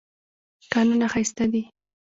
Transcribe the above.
کانونه ښایسته دي.